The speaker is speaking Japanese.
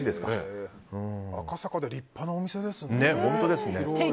赤坂で立派なお店ですよね。